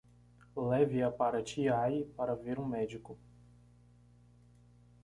Leve-a para Chiayi para ver um médico.